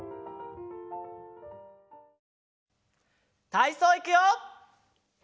たいそういくよ！